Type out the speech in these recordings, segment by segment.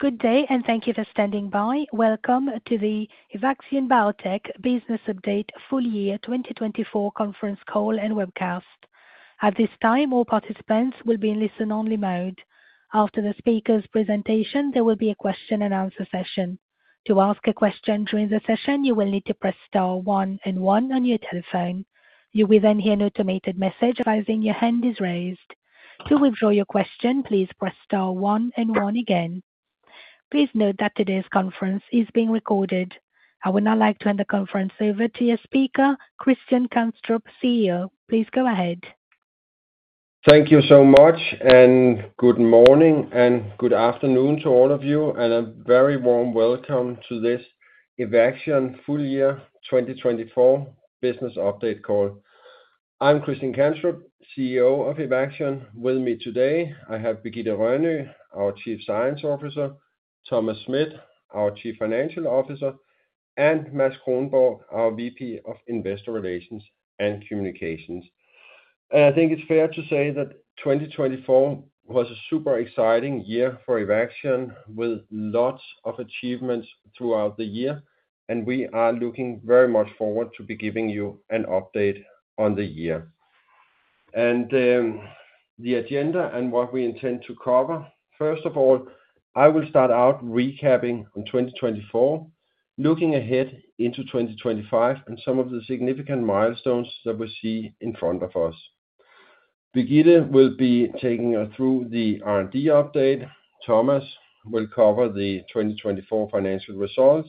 Good day, and thank you for standing by. Welcome to the Evaxion Biotech Business Update Full Year 2024 Conference Call and Webcast. At this time, all participants will be in listen-only mode. After the speaker's presentation, there will be a question-and-answer session. To ask a question during the session, you will need to press star one and one on your telephone. You will then hear an automated message advising your hand is raised. To withdraw your question, please press star one and one again. Please note that today's conference is being recorded. I would now like to hand the conference over to your speaker, Christian Kanstrup, CEO. Please go ahead. Thank you so much, and good morning and good afternoon to all of you, and a very warm welcome to this Evaxion Full Year 2024 Business Update Call. I'm Christian Kanstrup, CEO of Evaxion. With me today, I have Birgitte Rønø, our Chief Science Officer; Thomas Schmidt, our Chief Financial Officer; and Mads Kronborg, our VP of Investor Relations and Communications. I think it's fair to say that 2024 was a super exciting year for Evaxion, with lots of achievements throughout the year, and we are looking very much forward to giving you an update on the year. The agenda and what we intend to cover, first of all, I will start out recapping on 2024, looking ahead into 2025, and some of the significant milestones that we see in front of us. Birgitte will be taking us through the R&D update, Thomas will cover the 2024 financial results,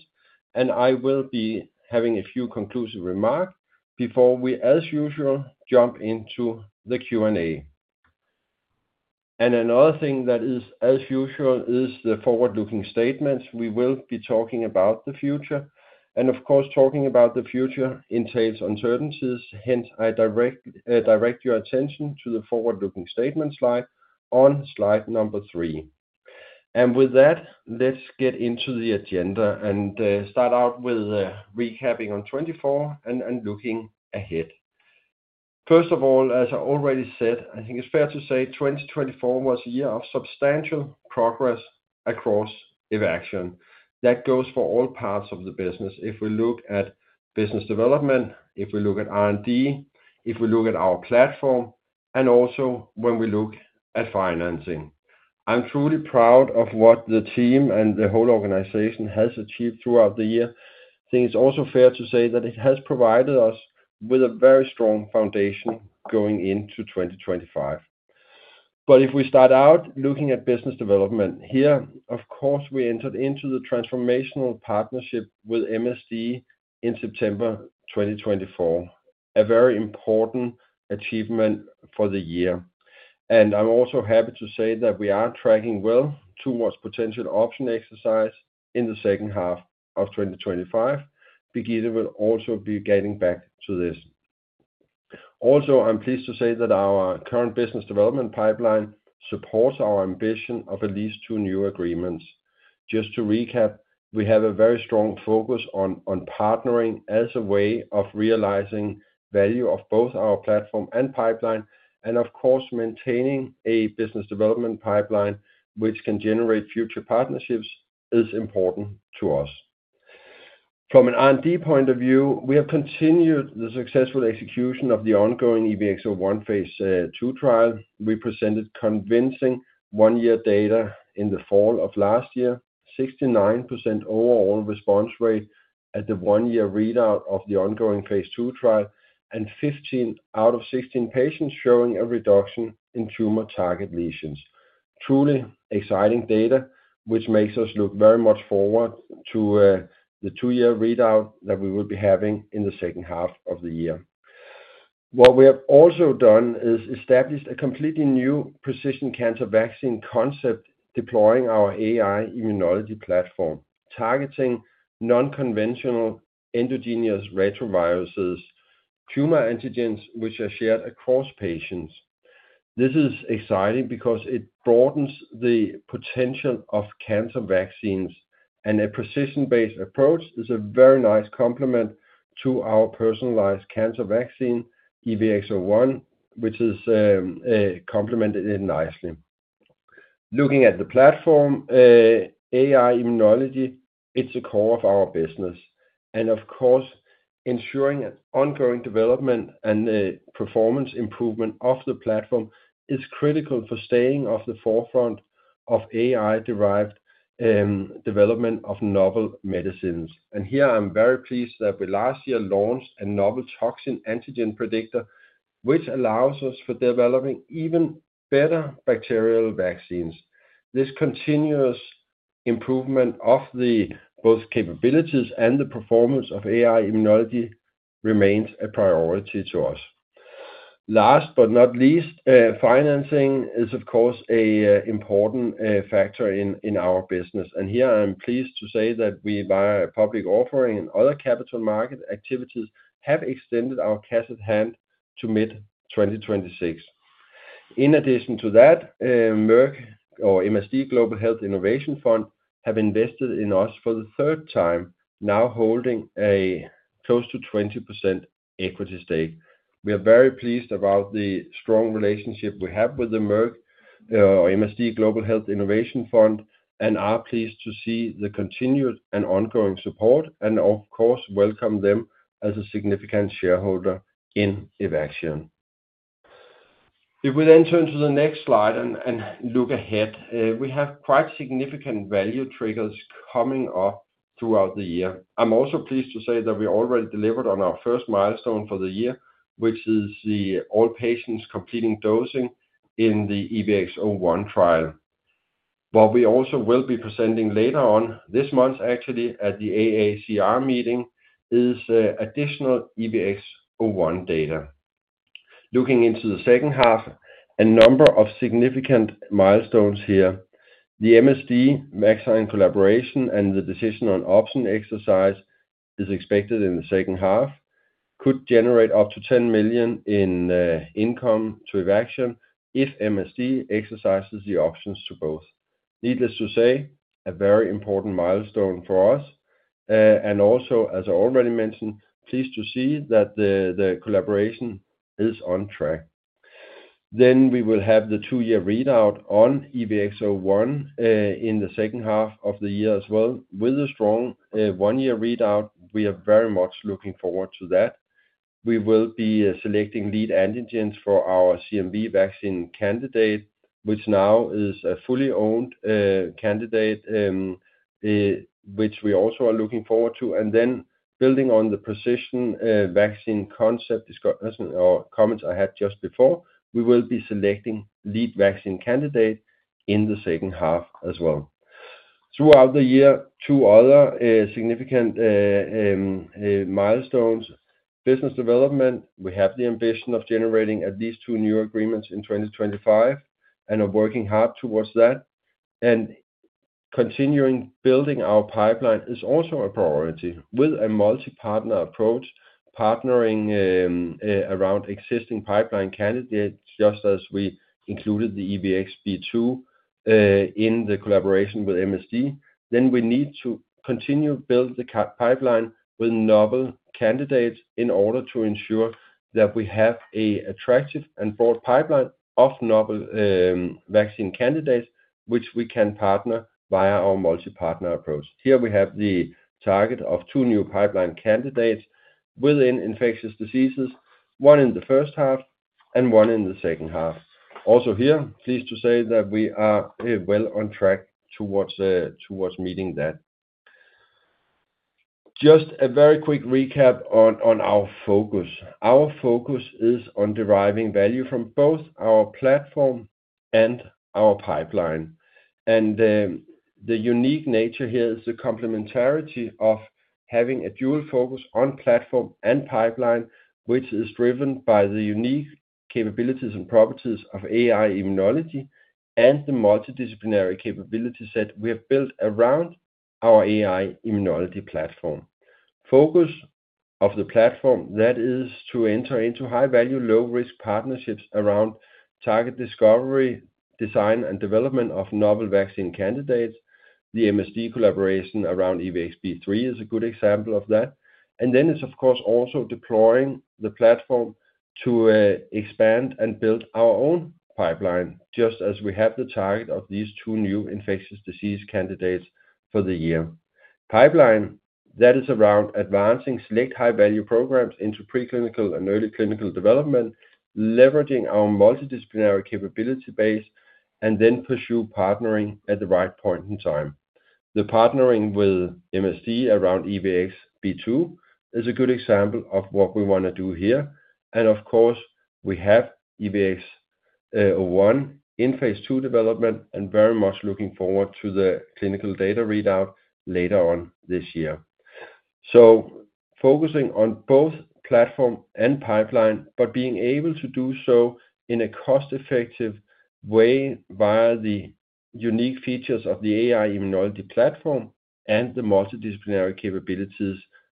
and I will be having a few conclusive remarks before we, as usual, jump into the Q&A. Another thing that is, as usual, is the forward-looking statements. We will be talking about the future, and of course, talking about the future entails uncertainties. Hence, I direct your attention to the forward-looking statement slide on slide number three. With that, let's get into the agenda and start out with recapping on 2024 and looking ahead. First of all, as I already said, I think it's fair to say 2024 was a year of substantial progress across Evaxion. That goes for all parts of the business. If we look at business development, if we look at R&D, if we look at our platform, and also when we look at financing, I'm truly proud of what the team and the whole organization has achieved throughout the year. I think it's also fair to say that it has provided us with a very strong foundation going into 2025. If we start out looking at business development here, of course, we entered into the transformational partnership with MSD in September 2024, a very important achievement for the year. I'm also happy to say that we are tracking well towards potential option exercise in the second half of 2025. Birgitte will also be getting back to this. Also, I'm pleased to say that our current business development pipeline supports our ambition of at least two new agreements. Just to recap, we have a very strong focus on partnering as a way of realizing the value of both our platform and pipeline, and of course, maintaining a business development pipeline, which can generate future partnerships, is important to us. From an R&D point of view, we have continued the successful execution of the ongoing EVX-01 Phase 2 trial. We presented convincing one-year data in the fall of last year, 69% overall response rate at the one-year readout of the ongoing Phase 2 trial, and 15 out of 16 patients showing a reduction in tumor target lesions. Truly exciting data, which makes us look very much forward to the two-year readout that we will be having in the second half of the year. What we have also done is established a completely new precision cancer vaccine concept, deploying our AI Immunology Platform, targeting non-conventional endogenous retroviruses, tumor antigens, which are shared across patients. This is exciting because it broadens the potential of cancer vaccines, and a precision-based approach is a very nice complement to our personalized cancer vaccine, EVX-01, which is complemented nicely. Looking at the platform, AI Immunology, it's the core of our business. Of course, ensuring an ongoing development and performance improvement of the platform is critical for staying at the forefront of AI-derived development of novel medicines. Here, I'm very pleased that we last year launched a novel Toxin Antigen Predictor, which allows us for developing even better bacterial vaccines. This continuous improvement of both capabilities and the performance of AI Immunology remains a priority to us. Last but not least, financing is, of course, an important factor in our business. Here, I'm pleased to say that we via public offering and other capital market activities have extended our cash at hand to meet 2026. In addition to that, Merck Global Health Innovation Fund or MSD Global Health Innovation Fund have invested in us for the third time, now holding a close to 20% equity stake. We are very pleased about the strong relationship we have with the Merck Global Health Innovation Fund or MSD Global Health Innovation Fund and are pleased to see the continued and ongoing support and, of course, welcome them as a significant shareholder in Evaxion. If we then turn to the next slide and look ahead, we have quite significant value triggers coming up throughout the year. I'm also pleased to say that we already delivered on our first milestone for the year, which is the all patients completing dosing in the EVX-01 trial. What we also will be presenting later on this month, actually, at the AACR meeting, is additional EVX-01 data. Looking into the second half, a number of significant milestones here. The MSD Vaccine collaboration and the decision on option exercise is expected in the second half could generate up to $10 million in income to Evaxion if MSD exercises the options to both. Needless to say, a very important milestone for us. As I already mentioned, pleased to see that the collaboration is on track. We will have the two-year readout on EVX-01 in the second half of the year as well. With a strong one-year readout, we are very much looking forward to that. We will be selecting lead antigens for our CMV vaccine candidate, which now is a fully owned candidate, which we also are looking forward to. Building on the precision vaccine concept discussion or comments I had just before, we will be selecting lead vaccine candidate in the second half as well. Throughout the year, two other significant milestones: business development. We have the ambition of generating at least two new agreements in 2025 and are working hard towards that. Continuing building our pipeline is also a priority with a multi-partner approach, partnering around existing pipeline candidates, just as we included the EVX-B2 in the collaboration with MSD. We need to continue to build the pipeline with novel candidates in order to ensure that we have an attractive and broad pipeline of novel vaccine candidates, which we can partner via our multi-partner approach. Here, we have the target of two new pipeline candidates within infectious diseases, one in the first half and one in the second half. Also here, pleased to say that we are well on track towards meeting that. Just a very quick recap on our focus. Our focus is on deriving value from both our platform and our pipeline. The unique nature here is the complementarity of having a dual focus on platform and pipeline, which is driven by the unique capabilities and properties of AI Immunology and the multidisciplinary capability set we have built around our AI Immunology Platform. Focus of the platform is to enter into high-value, low-risk partnerships around target discovery, design, and development of novel vaccine candidates. The MSD collaboration around EVX-B3 is a good example of that. It is, of course, also deploying the platform to expand and build our own pipeline, just as we have the target of these two new infectious disease candidates for the year. Pipeline that is around advancing select high-value programs into preclinical and early clinical development, leveraging our multidisciplinary capability base, and then pursue partnering at the right point in time. The partnering with MSD around EVX-B2 is a good example of what we want to do here. We have EVX-01 in Phase 2 development and very much looking forward to the clinical data readout later on this year. Focusing on both platform and pipeline, but being able to do so in a cost-effective way via the unique features of the AI Immunology Platform and the multidisciplinary capabilities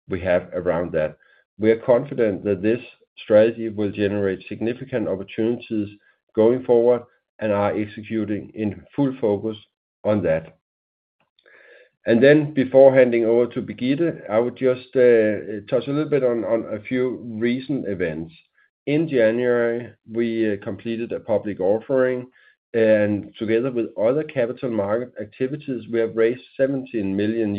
we have around that. We are confident that this strategy will generate significant opportunities going forward and are executing in full focus on that. Before handing over to Birgitte, I would just touch a little bit on a few recent events. In January, we completed a public offering, and together with other capital market activities, we have raised $17 million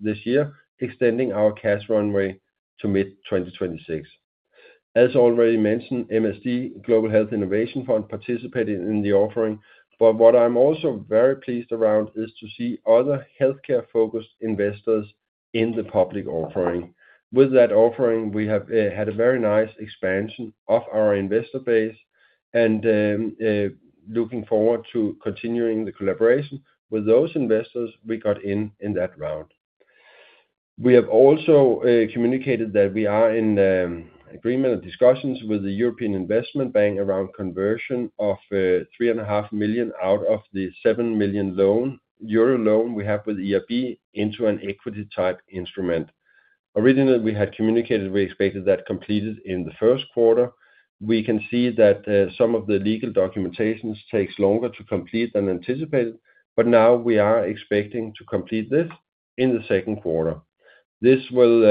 this year, extending our cash runway to mid-2026. As already mentioned, MSD Global Health Innovation Fund participated in the offering, but what I am also very pleased around is to see other healthcare-focused investors in the public offering. With that offering, we have had a very nice expansion of our investor base and looking forward to continuing the collaboration with those investors we got in that round. We have also communicated that we are in agreement and discussions with the European Investment Bank around conversion of 3.5 million out of the 7 million euro loan we have with EIB into an equity-type instrument. Originally, we had communicated we expected that completed in the first quarter. We can see that some of the legal documentation takes longer to complete than anticipated, but now we are expecting to complete this in the second quarter. This will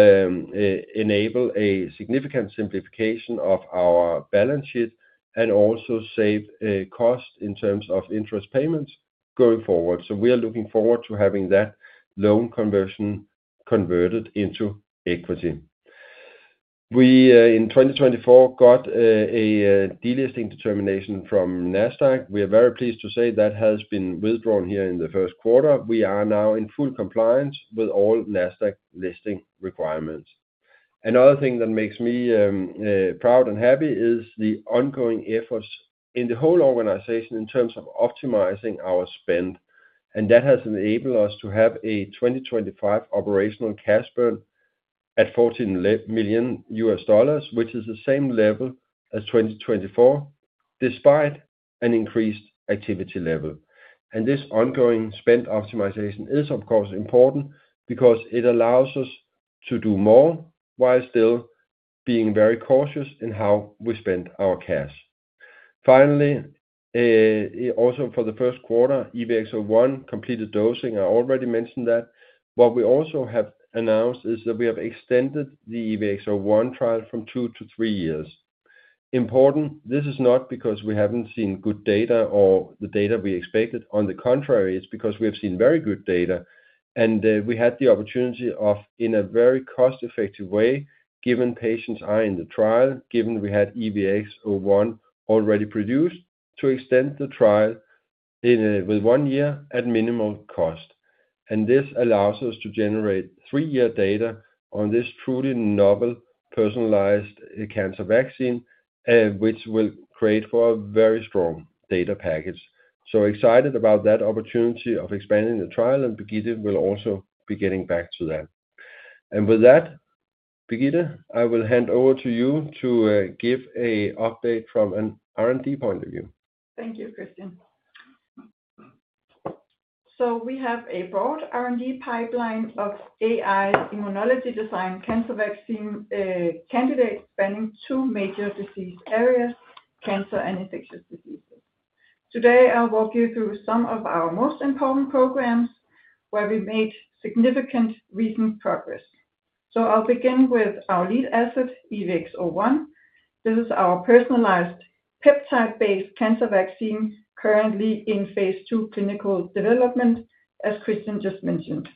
enable a significant simplification of our balance sheet and also save costs in terms of interest payments going forward. We are looking forward to having that loan conversion converted into equity. We in 2024 got a delisting determination from Nasdaq. We are very pleased to say that has been withdrawn here in the first quarter. We are now in full compliance with all Nasdaq listing requirements. Another thing that makes me proud and happy is the ongoing efforts in the whole organization in terms of optimizing our spend. That has enabled us to have a 2025 operational cash burn at $14 million, which is the same level as 2024, despite an increased activity level. This ongoing spend optimization is, of course, important because it allows us to do more while still being very cautious in how we spend our cash. Finally, also for the first quarter, EVX-01 completed dosing. I already mentioned that. What we also have announced is that we have extended the EVX-01 trial from two to three years. Important, this is not because we have not seen good data or the data we expected. On the contrary, it is because we have seen very good data. We had the opportunity of, in a very cost-effective way, given patients are in the trial, given we had EVX-01 already produced, to extend the trial with one year at minimal cost. This allows us to generate three-year data on this truly novel personalized cancer vaccine, which will create for a very strong data package. I am excited about that opportunity of expanding the trial, and Birgitte will also be getting back to that. Birgitte, I will hand over to you to give an update from an R&D point of view. Thank you, Christian. We have a broad R&D pipeline of AI Immunology designed cancer vaccine candidates spanning two major disease areas, cancer and infectious diseases. Today, I'll walk you through some of our most important programs where we've made significant recent progress. I will begin with our lead asset, EVX-01. This is our personalized peptide-based cancer vaccine currently in phase two clinical development, as Christian just mentioned.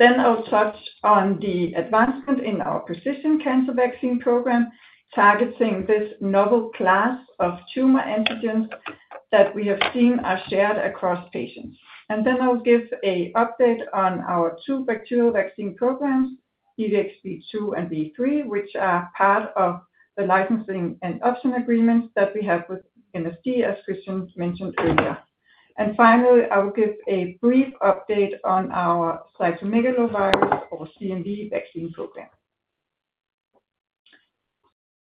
I will touch on the advancement in our precision cancer vaccine program, targeting this novel class of tumor antigens that we have seen are shared across patients. I will give an update on our two bacterial vaccine programs, EVX-B2 and B3, which are part of the licensing and option agreements that we have with MSD, as Christian mentioned earlier. I will give a brief update on our cytomegalovirus or CMV vaccine program.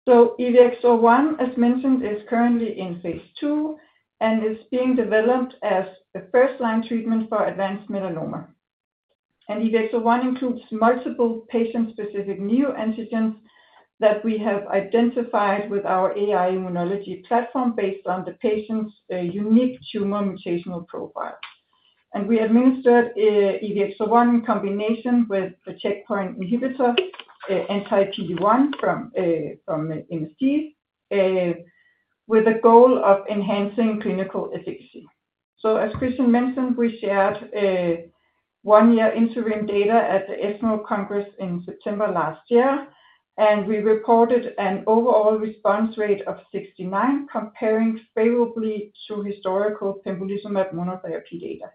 EVX-01, as mentioned, is currently in phase two and is being developed as a first-line treatment for advanced melanoma. EVX-01 includes multiple patient-specific new antigens that we have identified with our AI Immunology Platform based on the patient's unique tumor mutational profile. We administered EVX-01 in combination with the checkpoint inhibitor anti-PD-1 from MSD with the goal of enhancing clinical efficacy. As Christian mentioned, we shared one-year interim data at the ESMO Congress in September last year, and we reported an overall response rate of 69%, comparing favorably to historical pembrolizumab monotherapy data.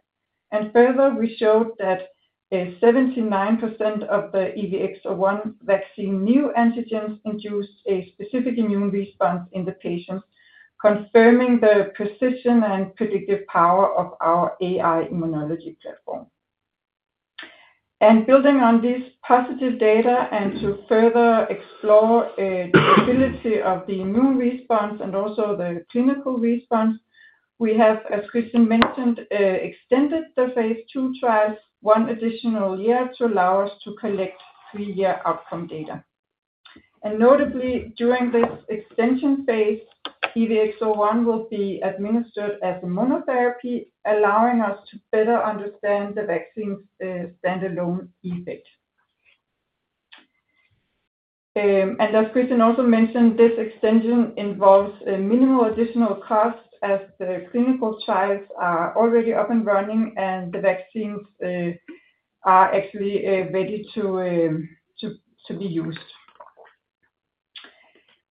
Further, we showed that 79% of the EVX-01 vaccine new antigens induced a specific immune response in the patients, confirming the precision and predictive power of our AI Immunology Platform. Building on this positive data and to further explore the ability of the immune response and also the clinical response, we have, as Christian mentioned, extended the phase two trials one additional year to allow us to collect three-year outcome data. Notably, during this extension phase, EVX-01 will be administered as a monotherapy, allowing us to better understand the vaccine's standalone effect. As Christian also mentioned, this extension involves minimal additional costs as the clinical trials are already up and running and the vaccines are actually ready to be used.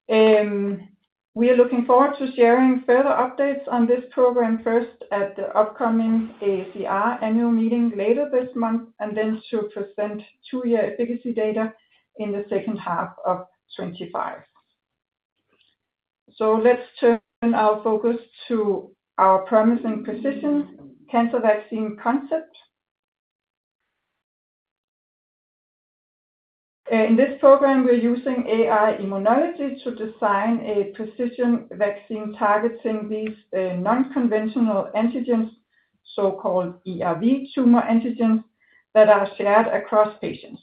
We are looking forward to sharing further updates on this program first at the upcoming AACR Annual Meeting later this month, and to present two-year efficacy data in the second half of 2025. Let's turn our focus to our promising precision cancer vaccine concept. In this program, we're using AI Immunology to design a precision vaccine targeting these non-conventional antigens, so-called ERV tumor antigens, that are shared across patients.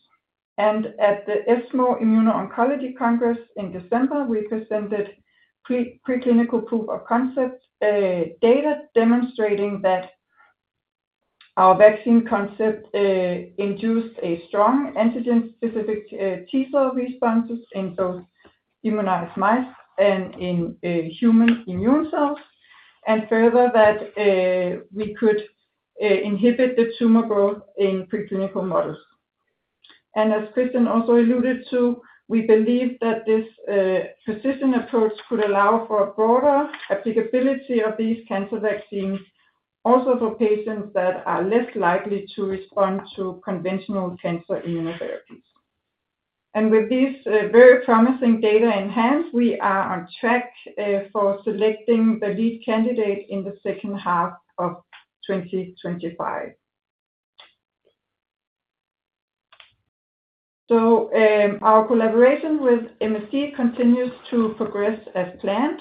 At the ESMO Immuno-Oncology Congress in December, we presented preclinical proof of concept data demonstrating that our vaccine concept induced a strong antigen-specific T-cell responses in those immunized mice and in human immune cells, and further that we could inhibit the tumor growth in preclinical models. As Christian also alluded to, we believe that this precision approach could allow for a broader applicability of these cancer vaccines, also for patients that are less likely to respond to conventional cancer immunotherapies. With these very promising data in hand, we are on track for selecting the lead candidate in the second half of 2025. Our collaboration with MSD continues to progress as planned.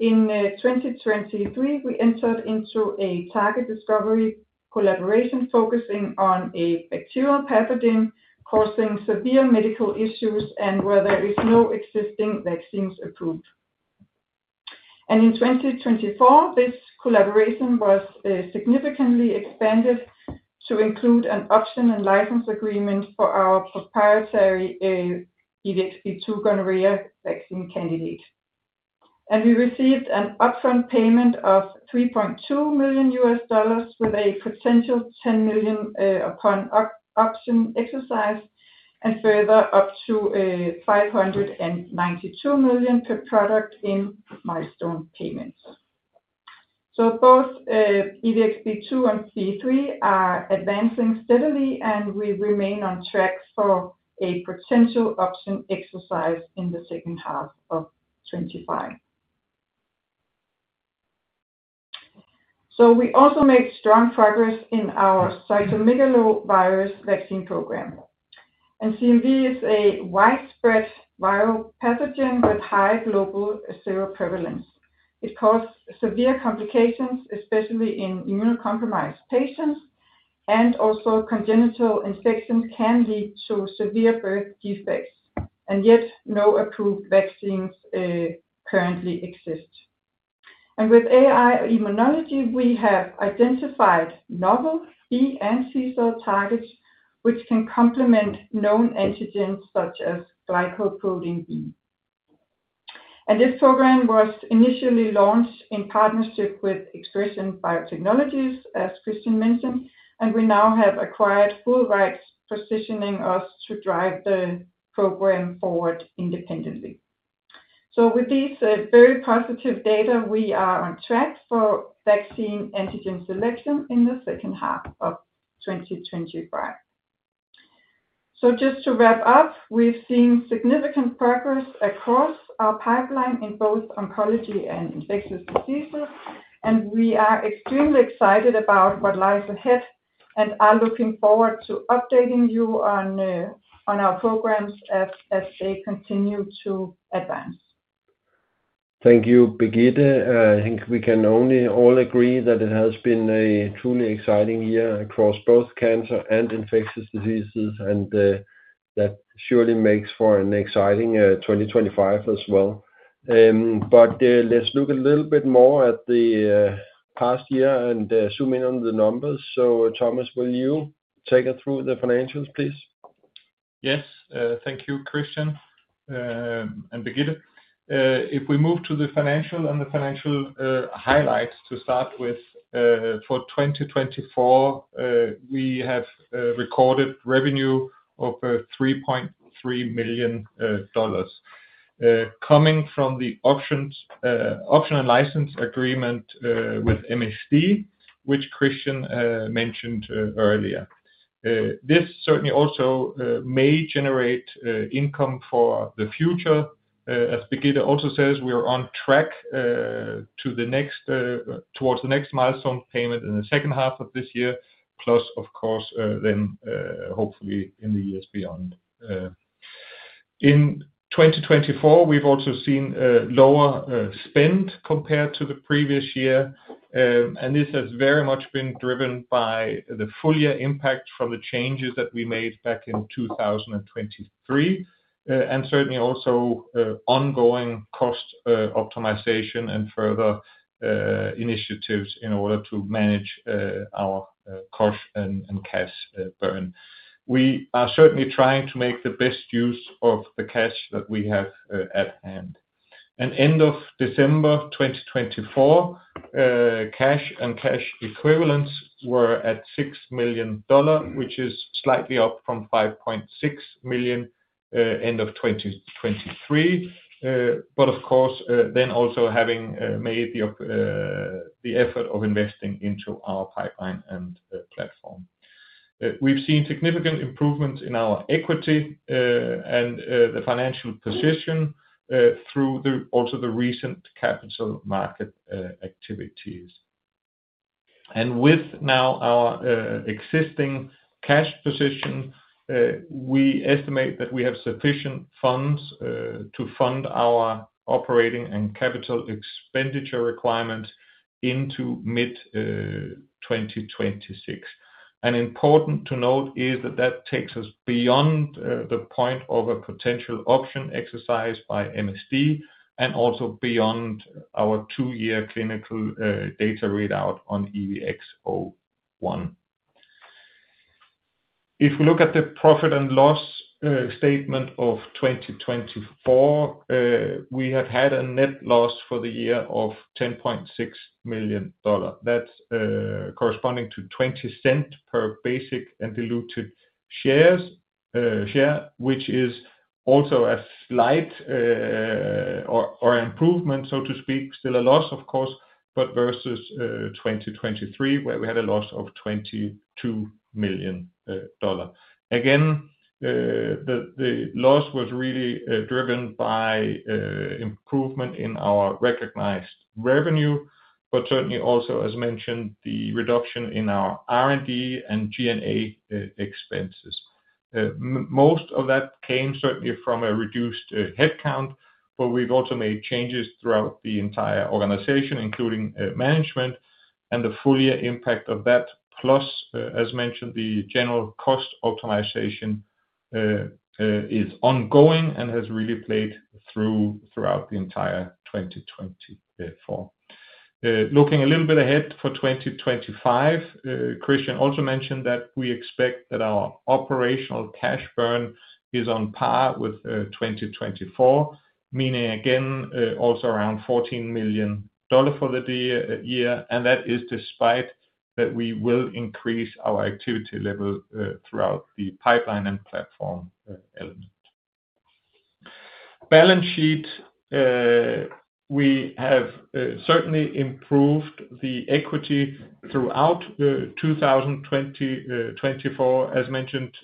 In 2023, we entered into a target discovery collaboration focusing on a bacterial pathogen causing severe medical issues and where there are no existing vaccines approved. In 2024, this collaboration was significantly expanded to include an option and license agreement for our proprietary EVX-B2 gonorrhea vaccine candidate. We received an upfront payment of $3.2 million with a potential $10 million upon option exercise and further up to $592 million per product in milestone payments. Both EVX-B2 and EVX-C3 are advancing steadily, and we remain on track for a potential option exercise in the second half of 2025. We also make strong progress in our cytomegalovirus vaccine program. CMV is a widespread viral pathogen with high global seroprevalence. It causes severe complications, especially in immunocompromised patients, and also congenital infections can lead to severe birth defects. Yet no approved vaccines currently exist. With AI Immunology, we have identified novel B-cell and T-cell targets, which can complement known antigens such as glycoprotein B. This program was initially launched in partnership with ExpreS2ion Biotechnologies, as Christian mentioned, and we now have acquired full rights positioning us to drive the program forward independently. With these very positive data, we are on track for vaccine antigen selection in the second half of 2025. Just to wrap up, we've seen significant progress across our pipeline in both oncology and infectious diseases, and we are extremely excited about what lies ahead and are looking forward to updating you on our programs as they continue to advance. Thank you, Birgitte. I think we can only all agree that it has been a truly exciting year across both cancer and infectious diseases, and that surely makes for an exciting 2025 as well. Let's look a little bit more at the past year and zoom in on the numbers. Thank you, Christian and Birgitte. If we move to the financial and the financial highlights to start with, for 2024, we have recorded revenue of $3.3 million coming from the option and license agreement with MSD, which Christian mentioned earlier. This certainly also may generate income for the future. As Birgitte also says, we are on track towards the next milestone payment in the second half of this year, plus, of course, then hopefully in the years beyond. In 2024, we've also seen lower spend compared to the previous year, and this has very much been driven by the full year impact from the changes that we made back in 2023, and certainly also ongoing cost optimization and further initiatives in order to manage our cost and cash burn. We are certainly trying to make the best use of the cash that we have at hand. At end of December 2024, cash and cash equivalents were at $6 million, which is slightly up from $5.6 million at end of 2023. Of course, we have also made the effort of investing into our pipeline and platform. We have seen significant improvements in our equity and the financial position through also the recent capital market activities. With now our existing cash position, we estimate that we have sufficient funds to fund our operating and capital expenditure requirements into mid-2026. Important to note is that that takes us beyond the point of a potential option exercise by MSD and also beyond our two-year clinical data readout on EVX-01. If we look at the profit and loss statement of 2024, we have had a net loss for the year of $10.6 million. That's corresponding to $0.20 per basic and diluted share, which is also a slight or improvement, so to speak. Still a loss, of course, but versus 2023, where we had a loss of $22 million. Again, the loss was really driven by improvement in our recognized revenue, but certainly also, as mentioned, the reduction in our R&D and G&A expenses. Most of that came certainly from a reduced headcount, but we've also made changes throughout the entire organization, including management and the full year impact of that. Plus, as mentioned, the general cost optimization is ongoing and has really played through throughout the entire 2024. Looking a little bit ahead for 2025, Christian also mentioned that we expect that our operational cash burn is on par with 2024, meaning again also around $14 million for the year. That is despite that we will increase our activity level throughout the pipeline and platform element. Balance sheet, we have certainly improved the equity throughout 2024, as mentioned,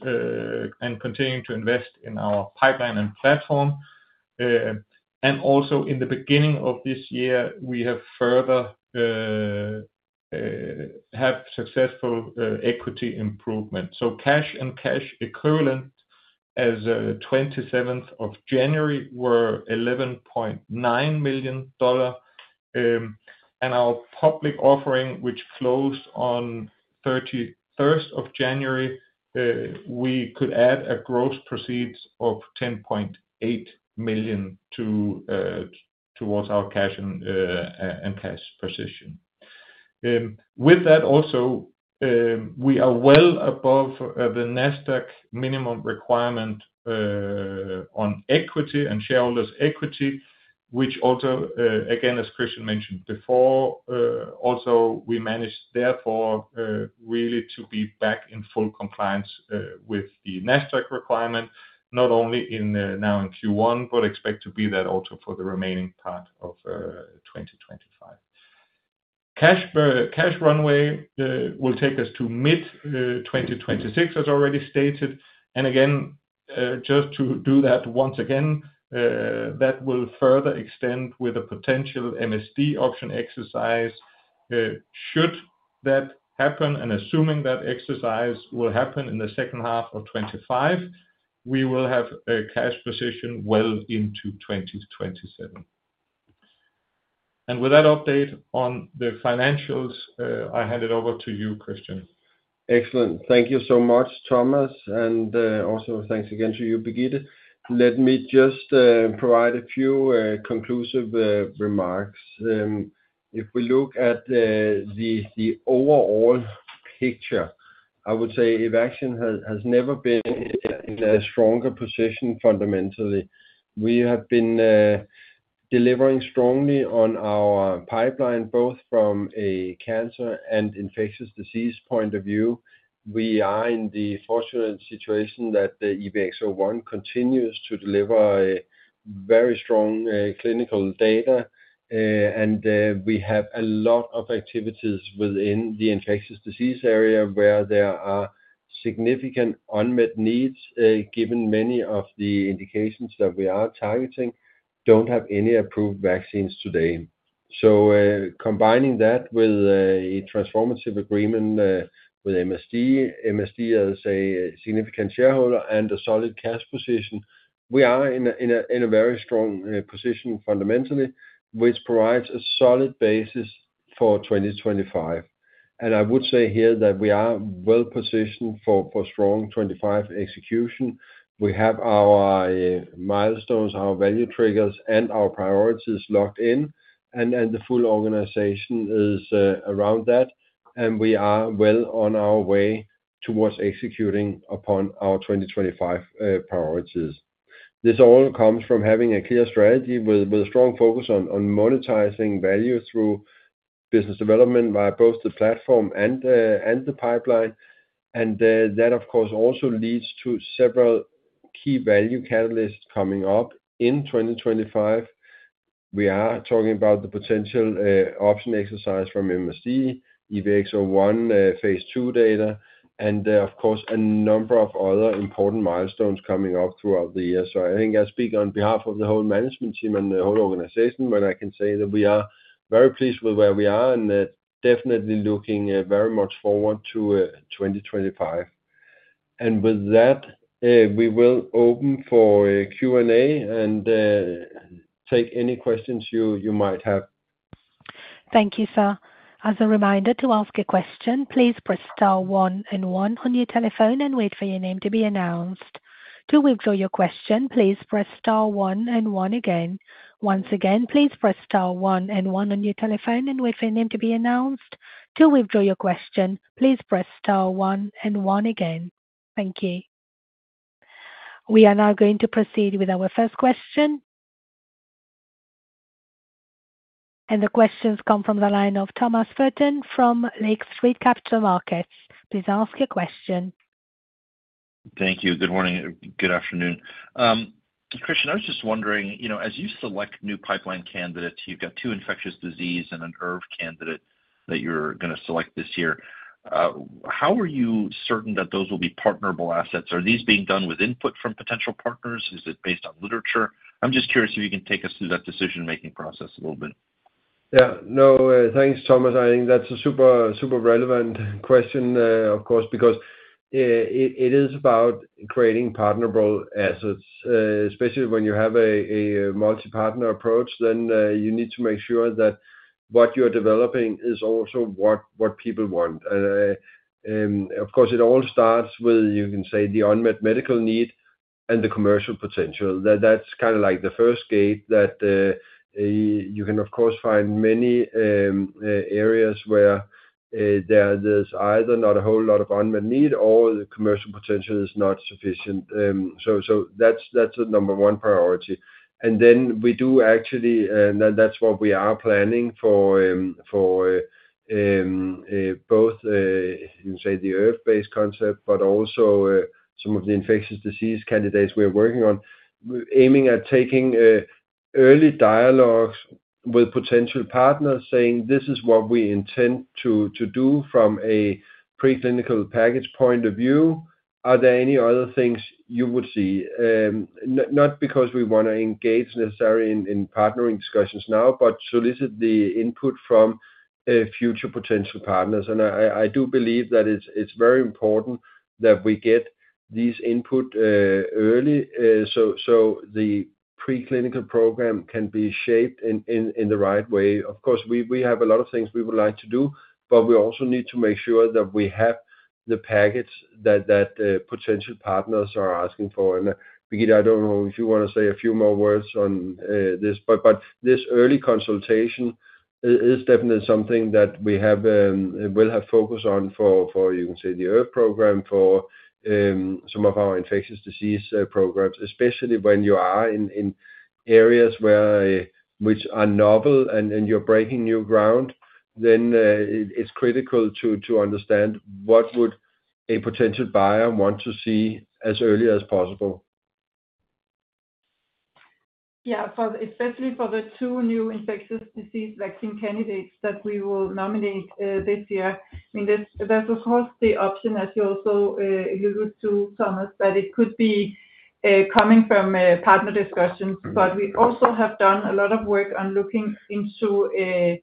and continuing to invest in our pipeline and platform. Also in the beginning of this year, we have further had successful equity improvement. Cash and cash equivalent as of 27th of January were $11.9 million. Our public offering, which closed on 31st of January, we could add a gross proceeds of $10.8 million towards our cash and cash position. With that also, we are well above the Nasdaq minimum requirement on equity and shareholders' equity, which also, again, as Christian mentioned before, also we managed therefore really to be back in full compliance with the Nasdaq requirement, not only now in Q1, but expect to be that also for the remaining part of 2025. Cash runway will take us to mid-2026, as already stated. Again, just to do that once again, that will further extend with a potential MSD option exercise. Should that happen, and assuming that exercise will happen in the second half of 2025, we will have a cash position well into 2027. With that update on the financials, I hand it over to you, Christian. Excellent. Thank you so much, Thomas. Also thanks again to you, Birgitte. Let me just provide a few conclusive remarks. If we look at the overall picture, I would say Evaxion has never been in a stronger position fundamentally. We have been delivering strongly on our pipeline, both from a cancer and infectious disease point of view. We are in the fortunate situation that the EVX-01 continues to deliver very strong clinical data, and we have a lot of activities within the infectious disease area where there are significant unmet needs, given many of the indications that we are targeting do not have any approved vaccines today. Combining that with a transformative agreement with MSD, MSD as a significant shareholder and a solid cash position, we are in a very strong position fundamentally, which provides a solid basis for 2025. I would say here that we are well positioned for strong 2025 execution. We have our milestones, our value triggers, and our priorities locked in, and the full organization is around that, and we are well on our way towards executing upon our 2025 priorities. This all comes from having a clear strategy with a strong focus on monetizing value through business development via both the platform and the pipeline. That, of course, also leads to several key value catalysts coming up in 2025. We are talking about the potential option exercise from MSD, EVX-01, phase two data, and, of course, a number of other important milestones coming up throughout the year. I think I speak on behalf of the whole management team and the whole organization when I say that we are very pleased with where we are and definitely looking very much forward to 2025. With that, we will open for Q&A and take any questions you might have. Thank you, sir. As a reminder to ask a question, please press star one and one on your telephone and wait for your name to be announced. To withdraw your question, please press star one and one again. Once again, please press star one and one on your telephone and wait for your name to be announced. To withdraw your question, please press star one and one again. Thank you. We are now going to proceed with our first question. The questions come from the line of Thomas Flaten from Lake Street Capital Markets. Please ask your question. Thank you. Good morning. Good afternoon. Christian, I was just wondering, as you select new pipeline candidates, you've got two infectious disease and an ERV candidate that you're going to select this year. How are you certain that those will be partnerable assets? Are these being done with input from potential partners? Is it based on literature? I'm just curious if you can take us through that decision-making process a little bit. Yeah. No, thanks, Thomas. I think that's a super relevant question, of course, because it is about creating partnerable assets, especially when you have a multi-partner approach, then you need to make sure that what you're developing is also what people want. Of course, it all starts with, you can say, the unmet medical need and the commercial potential. That's kind of like the first gate that you can, of course, find many areas where there's either not a whole lot of unmet need or the commercial potential is not sufficient. That's the number one priority. We do actually, and that is what we are planning for both, you can say, the ERV-based concept, but also some of the infectious disease candidates we are working on, aiming at taking early dialogues with potential partners, saying, "This is what we intend to do from a preclinical package point of view. Are there any other things you would see?" Not because we want to engage necessarily in partnering discussions now, but solicit the input from future potential partners. I do believe that it is very important that we get these input early so the preclinical program can be shaped in the right way. Of course, we have a lot of things we would like to do, but we also need to make sure that we have the package that potential partners are asking for. Birgitte, I do not know if you want to say a few more words on this, but this early consultation is definitely something that we will have focus on for, you can say, the ERV program, for some of our infectious disease programs, especially when you are in areas which are novel and you are breaking new ground. It is critical to understand what would a potential buyer want to see as early as possible. Yeah, especially for the two new infectious disease vaccine candidates that we will nominate this year. I mean, there is of course the option, as you also alluded to, Thomas, that it could be coming from partner discussions, but we also have done a lot of work on looking into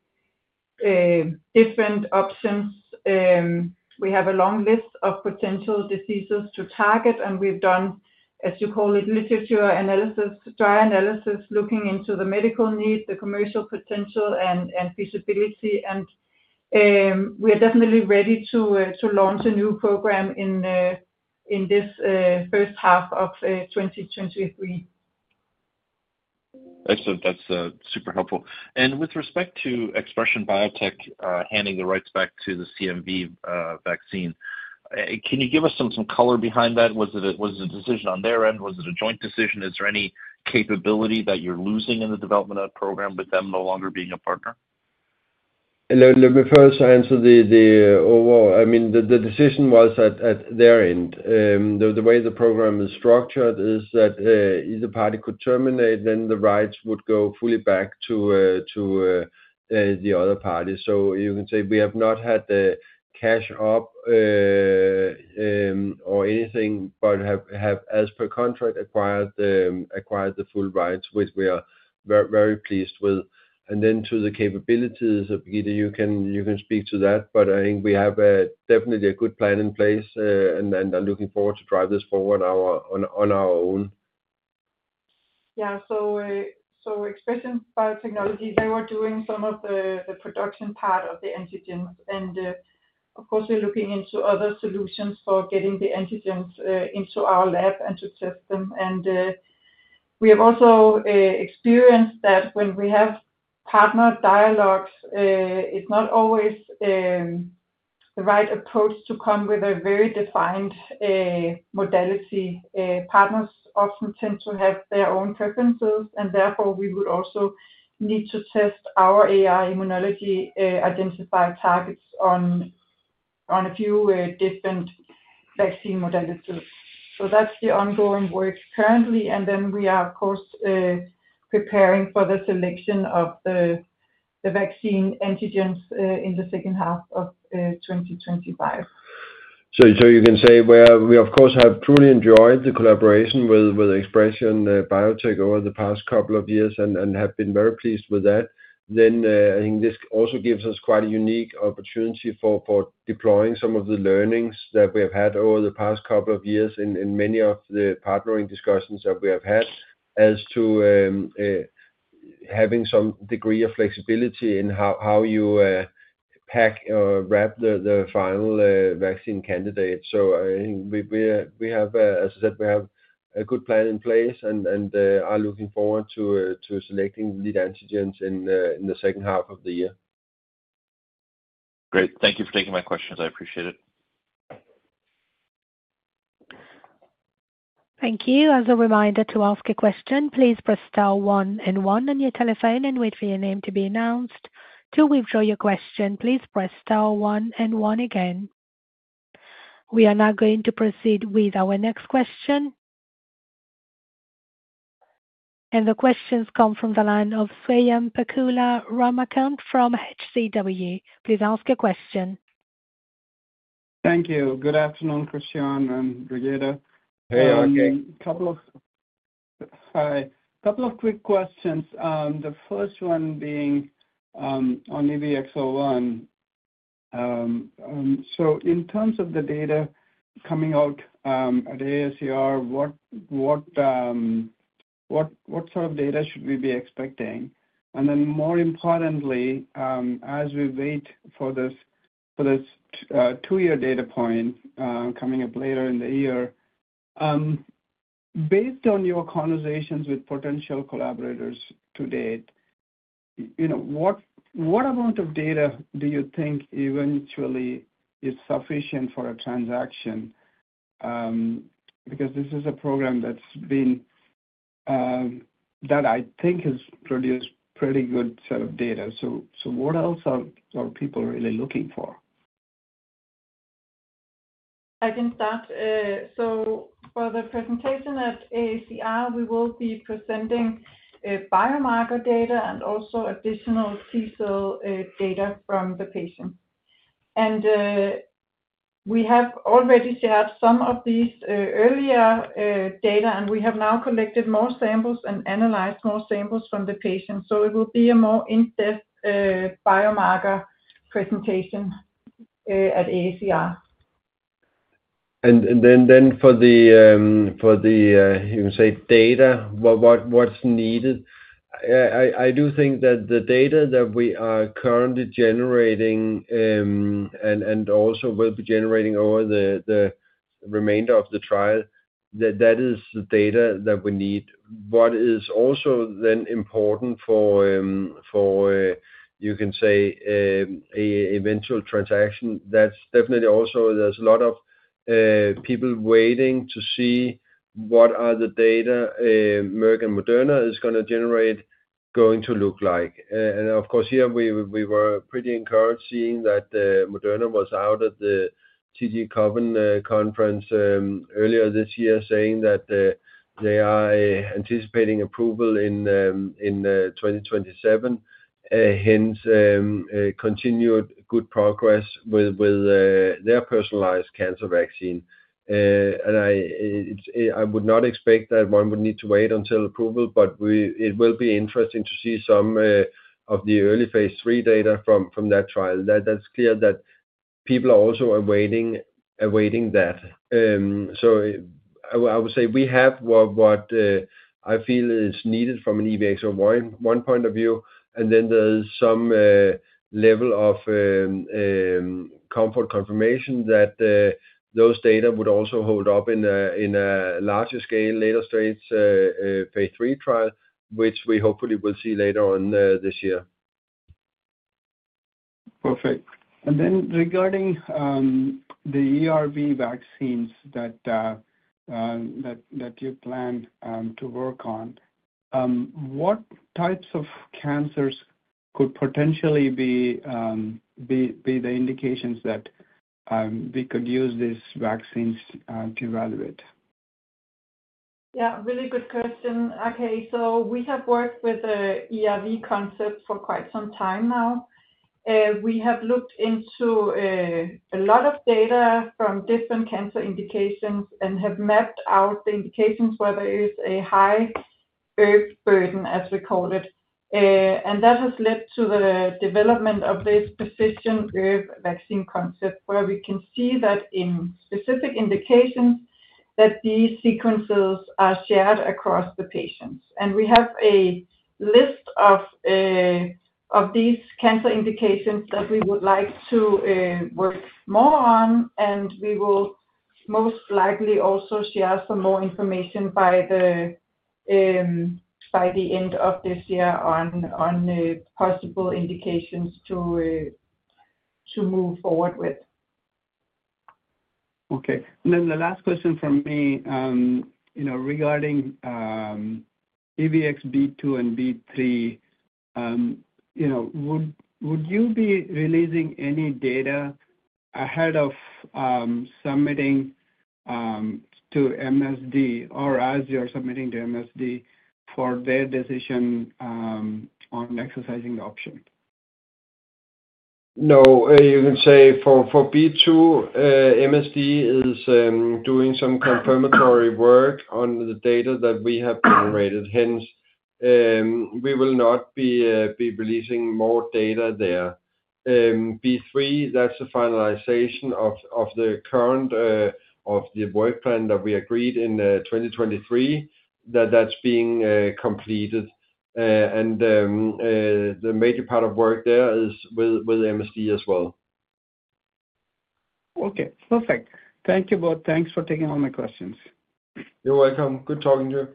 different options. We have a long list of potential diseases to target, and we've done, as you call it, literature analysis, dry analysis, looking into the medical need, the commercial potential, and feasibility. We are definitely ready to launch a new program in this first half of 2023. Excellent. That's super helpful. With respect to ExpreS2ion Biotechnologies handing the rights back to the CMV vaccine, can you give us some color behind that? Was it a decision on their end? Was it a joint decision? Is there any capability that you're losing in the development of the program with them no longer being a partner? Let me first answer the overall. I mean, the decision was at their end. The way the program is structured is that either party could terminate, then the rights would go fully back to the other party. You can say we have not had the cash up or anything, but have, as per contract, acquired the full rights, which we are very pleased with. To the capabilities, Birgitte, you can speak to that, but I think we have definitely a good plan in place, and I am looking forward to drive this forward on our own. ExpreS2ion Biotechnologies, they were doing some of the production part of the antigens. Of course, we are looking into other solutions for getting the antigens into our lab and to test them. We have also experienced that when we have partner dialogues, it is not always the right approach to come with a very defined modality. Partners often tend to have their own preferences, and therefore we would also need to test our AI Immunology Platform-identified targets on a few different vaccine modalities. That is the ongoing work currently. We are, of course, preparing for the selection of the vaccine antigens in the second half of 2025. You can say we, of course, have truly enjoyed the collaboration with ExpreS2ion Biotechnologies over the past couple of years and have been very pleased with that. I think this also gives us quite a unique opportunity for deploying some of the learnings that we have had over the past couple of years in many of the partnering discussions that we have had as to having some degree of flexibility in how you pack or wrap the final vaccine candidate. I think we have, as I said, a good plan in place and are looking forward to selecting lead antigens in the second half of the year. Great. Thank you for taking my questions. I appreciate it. Thank you. As a reminder to ask a question, please press star one and one on your telephone and wait for your name to be announced. To withdraw your question, please press star one and one again. We are now going to proceed with our next question. The questions come from the line of Swayampakula Ramakanth from H.C. Wainwright. Please ask a question. Thank you. Good afternoon, Christian and Birgitte. Hey, okay. A couple of hi. A couple of quick questions. The first one being on EVX-01. In terms of the data coming out at AACR, what sort of data should we be expecting? More importantly, as we wait for this two-year data point coming up later in the year, based on your conversations with potential collaborators to date, what amount of data do you think eventually is sufficient for a transaction? Because this is a program that I think has produced pretty good set of data. What else are people really looking for? I can start. For the presentation at AACR, we will be presenting biomarker data and also additional T-cell data from the patient. We have already shared some of these earlier data, and we have now collected more samples and analyzed more samples from the patient. It will be a more in-depth biomarker presentation at AACR. For the, you can say, data, what's needed? I do think that the data that we are currently generating and also will be generating over the remainder of the trial, that is the data that we need. What is also then important for, you can say, eventual transaction? That's definitely also there's a lot of people waiting to see what the data Merck and Moderna is going to generate is going to look like. Of course, here we were pretty encouraged seeing that Moderna was out at the TD Cowen Conference earlier this year saying that they are anticipating approval in 2027, hence continued good progress with their personalized cancer vaccine. I would not expect that one would need to wait until approval, but it will be interesting to see some of the early phase three data from that trial. That's clear that people are also awaiting that. I would say we have what I feel is needed from an EVX-01 point of view, and then there is some level of comfort confirmation that those data would also hold up in a larger scale later stage phase three trial, which we hopefully will see later on this year. Perfect. Regarding the ERV vaccines that you plan to work on, what types of cancers could potentially be the indications that we could use these vaccines to evaluate? Yeah. Really good question. We have worked with the ERV concept for quite some time now. We have looked into a lot of data from different cancer indications and have mapped out the indications where there is a high ERV burden, as we call it. That has led to the development of this precision ERV vaccine concept where we can see that in specific indications these sequences are shared across the patients. We have a list of these cancer indications that we would like to work more on, and we will most likely also share some more information by the end of this year on possible indications to move forward with. Okay. The last question for me regarding EVX-B2 and B3, would you be releasing any data ahead of submitting to MSD or as you're submitting to MSD for their decision on exercising the option? No. You can say for B2, MSD is doing some confirmatory work on the data that we have generated, hence we will not be releasing more data there. B3, that's the finalization of the work plan that we agreed in 2023 that that's being completed. The major part of work there is with MSD as well. Okay. Perfect. Thank you both. Thanks for taking all my questions. You're welcome. Good talking to you.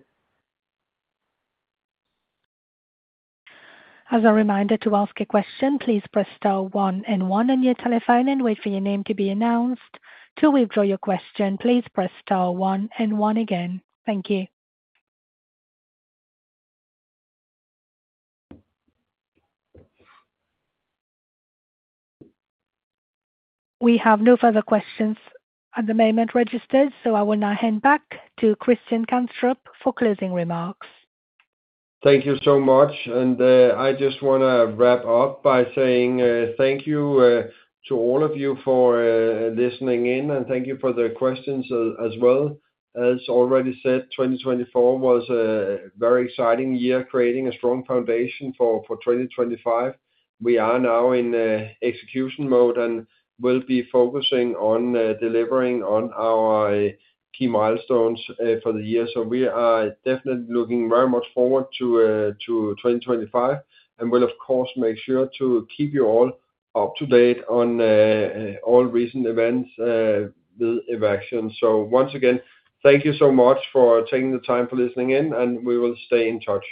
As a reminder to ask a question, please press star one and one on your telephone and wait for your name to be announced. To withdraw your question, please press star one and one again. Thank you. We have no further questions at the moment registered, so I will now hand back to Christian Kanstrup for closing remarks. Thank you so much. I just want to wrap up by saying thank you to all of you for listening in, and thank you for the questions as well. As already said, 2024 was a very exciting year creating a strong foundation for 2025. We are now in execution mode and will be focusing on delivering on our key milestones for the year. We are definitely looking very much forward to 2025 and will, of course, make sure to keep you all up to date on all recent events with Evaxion. Once again, thank you so much for taking the time for listening in, and we will stay in touch.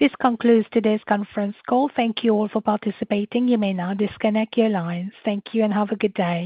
This concludes today's conference call. Thank you all for participating. You may now disconnect your lines. Thank you and have a good day.